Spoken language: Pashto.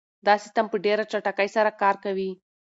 دا سیسټم په ډېره چټکۍ سره کار کوي.